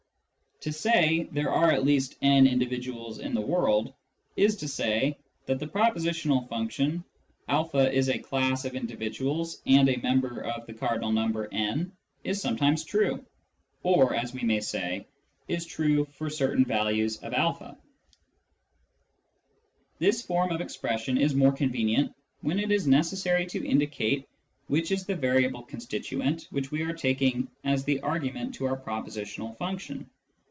To say " there are at least n individuals in the world " is to say that the propositional function " a is a class of individuals and a member of the cardinal number n " is sometimes true, or, as we may say, is true for certain 160 Introduction to Mathematical Philosophy values of a. This form of expression is more convenient when it is necessary to indicate which is the variable constituent which we are taking as the argument to our propositional function.